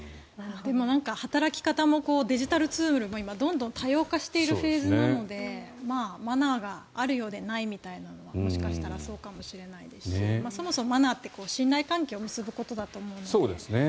働き方もデジタルツールも今、どんどん多様化しているフェーズなのでマナーがあるようでないみたいなのはもしかしたらそうかもしれないですしそもそもマナーって信頼関係を結ぶことだと思うので。